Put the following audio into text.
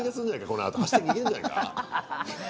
このあと走って逃げんじゃないか。